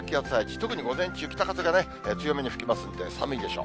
特に午前中、北風が強めに吹きますんで、寒いでしょう。